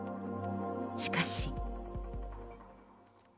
しかし。